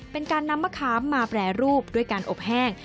เป็นการนำมะขามมาแปรรูปด้วยการอบแห้ง